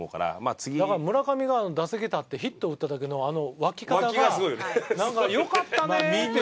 だから村上が打席に立ってヒット打った時のあの沸き方がなんかよかったねって。